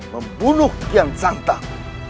membunuh kian santam